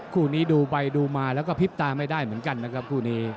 คู่นี้ดูไปดูมาแล้วก็พลิบตาไม่ได้เหมือนกันนะครับคู่นี้